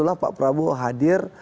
inilah pak prabowo hadir